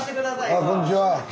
あこんにちは。